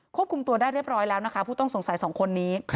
คุมตัวได้เรียบร้อยแล้วนะคะผู้ต้องสงสัย๒คนนี้